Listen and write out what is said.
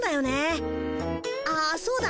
あっそうだ。